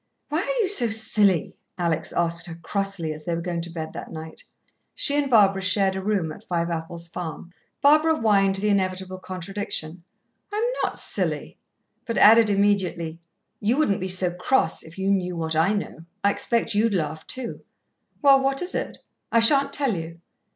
"Why are you so silly?" Alex asked her crossly, as they were going to bed that night. She and Barbara shared a room at Fiveapples Farm. Barbara whined the inevitable contradiction, "I'm not silly," but added immediately, "you wouldn't be so cross, if you knew what I know. I expect you'd laugh too." "Well, what is it?" "I shan't tell you."